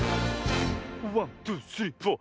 ワントゥスリーフォー。